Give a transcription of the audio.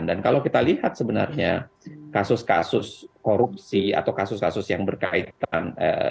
dan kalau kita lihat sebenarnya kasus kasus korupsi atau kasus kasus yang berkaitan